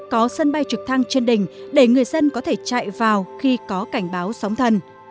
có sân bay trực thăng trên đỉnh để người dân có thể chạy vào khi có cảnh báo sóng thần